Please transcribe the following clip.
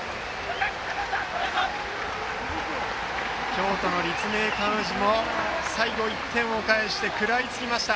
京都の立命館宇治も最後１点を返して食らいつきました。